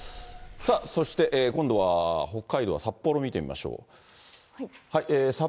そして、今度は北海道は札幌見てみましょう。